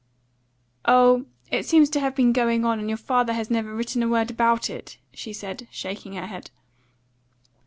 "Oh, it seems to have been going on, and your father has never written a word about it," she said, shaking her head.